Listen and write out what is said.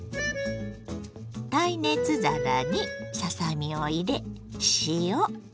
耐熱皿にささ身を入れ塩